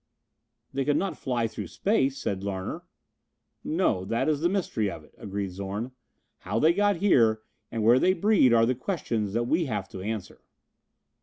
"They could not fly through space," said Larner. "No, that is the mystery of it," agreed Zorn. "How they got here and where they breed are the questions that we have to answer."